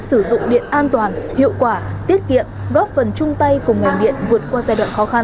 sử dụng điện an toàn hiệu quả tiết kiệm góp phần chung tay cùng ngành điện vượt qua giai đoạn khó khăn